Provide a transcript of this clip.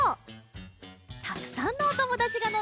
たくさんのおともだちがのってるよ！